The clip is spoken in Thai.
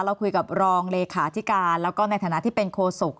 เราคุยกับรองเลขาธิการแล้วก็ในฐานะที่เป็นโคศก